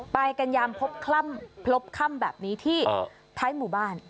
ไปกันยามพบค่ำแบบนี้ที่ท้ายหมู่บ้าน